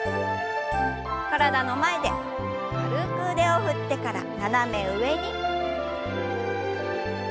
体の前で軽く腕を振ってから斜め上に。